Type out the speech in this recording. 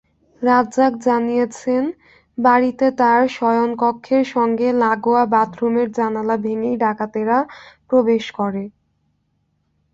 রাজ্জাক জানিয়েছেন, বাড়িতে তাঁর শয়নকক্ষের সঙ্গে লাগোয়া বাথরুমের জানালা ভেঙেই ডাকাতেরা প্রবেশ করে।